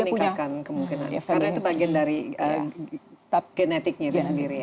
meningkatkan kemungkinan karena itu bagian dari genetiknya itu sendiri ya